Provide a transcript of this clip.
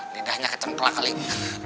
lidahnya kecengklak kali ini